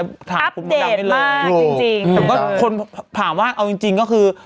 อัปเดตมากจริงจริงแต่ว่าคนถามว่าเอาจริงจริงก็คือ